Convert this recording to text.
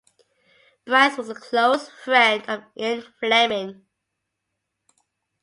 Bryce was a close friend of Ian Fleming.